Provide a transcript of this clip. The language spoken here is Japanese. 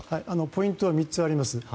ポイントは３つあります。